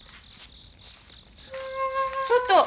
ちょっと！